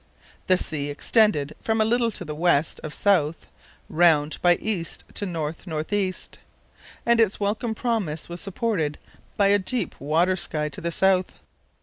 The sea extended from a little to the west of south, round by east to north north east, and its welcome promise was supported by a deep water sky to the south.